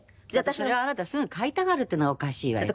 それはあなたすぐ買いたがるっていうのがおかしいわよ。